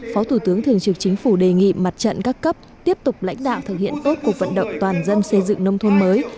phó thủ tướng thường trực chính phủ đề nghị mặt trận các cấp tiếp tục lãnh đạo thực hiện tốt cuộc vận động toàn dân xây dựng nông thôn mới